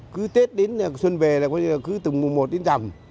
cứ tết đến xuân về là cứ từng mùa một đến dặm